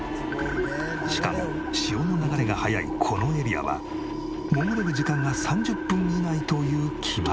しかも潮の流れが速いこのエリアは潜れる時間が３０分以内という決まり。